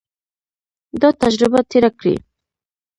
دا تجربه تېره کړي.